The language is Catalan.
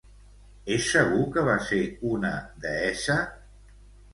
És segur que va ser una deessa?